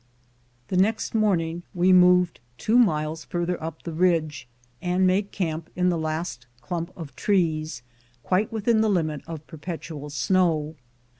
The next morning we moved two miles farther up the ridge and made camp in the last clump of trees, quite within the limit ot perpetual snow.